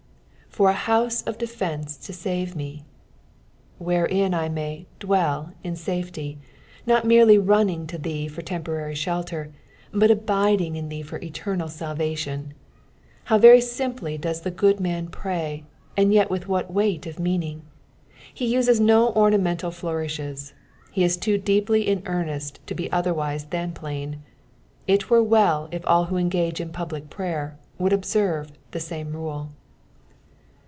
" For aa houte of d^enea to tata me," wherein I may dtrcll in safety, nut merely mnuing to thee for temporary shelter, but abiding in thee for eternal salvation. How very simply does the good man pray, and yet with what weight of meaning 1 be uses no ornamental nourishes, he is too deeply in earnest to be otherwise than plain ; it were well if all who engage in public prayer would observe the tame rule.